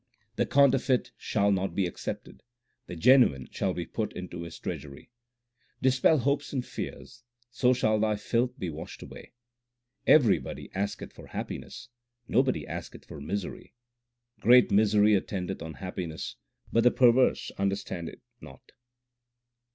The counterfeit shall not be accepted ; the genuine shall be put into His treasury. Dispel hopes and fears, so shall thy filth be washed away. Everybody asketh for happiness ; nobody asketh for misery. Great misery attendeth on happiness, but the perverse understand it not.